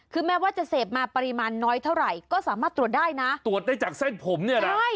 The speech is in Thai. คือแม้ว่าจะเสพมาปริมาณน้อยเท่าไหร่ก็สามารถตรวจได้นะตรวจได้จากเส้นผมเนี่ยนะใช่